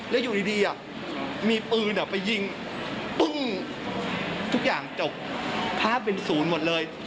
แล้วอยู่ดีมีปืนไปยิงปึ้งทุกอย่างจบภาพเป็นศูนย์หมดเลย